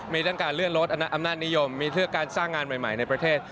มีทั้งการเลื่อนรถอำนาจนิยมมีเทือกการสร้างงานใหม่ในประเทศ